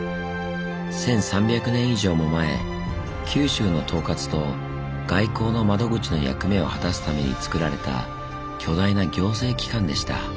１，３００年以上も前九州の統括と外交の窓口の役目を果たすためにつくられた巨大な行政機関でした。